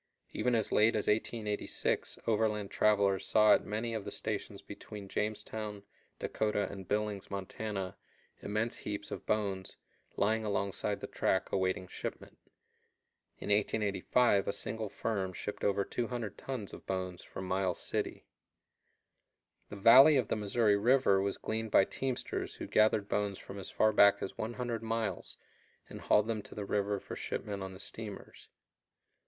Even as late as 1886 overland travelers saw at many of the stations between Jamestown, Dakota, and Billings, Montana, immense heaps of bones lying alongside the track awaiting shipment. In 1885 a single firm shipped over 200 tons of bones from Miles City. The valley of the Missouri River was gleaned by teamsters who gathered bones from as far back as 100 miles and hauled them to the river for shipment on the steamers.